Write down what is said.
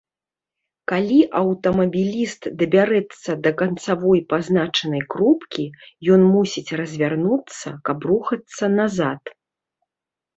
Калі аўтамабіліст дабярэцца да канцавой пазначанай кропкі, ён мусіць развярнуцца, каб рухацца назад.